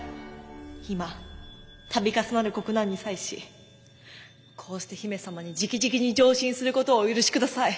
今度重なる国難に際しこうして姫様にじきじきに上申することをお許し下さい。